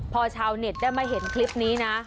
พอชาวเน็ตได้มาเห็นคลิปนี้นะ